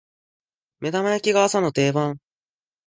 目玉焼きが朝の定番